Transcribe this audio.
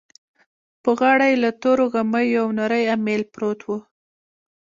په غاړه يې له تورو غميو يو نری اميل پروت و.